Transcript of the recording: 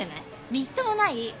みっともない！